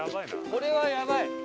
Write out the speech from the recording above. これはやばい。